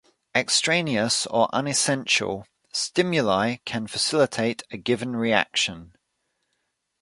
Extraneous, or unessential, stimuli can facilitate a given reaction.